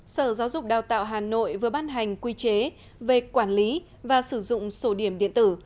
sở giáo dục đào tạo hà nội vừa ban hành quy chế về quản lý và sử dụng sổ điểm điện tử